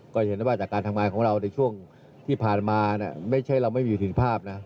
ก็จะเห็นว่าจากการทำงานของเราในช่วงที่ผ่านมานะ้ไม่ใช่เราไม่มีอยู่ถือภาพนะ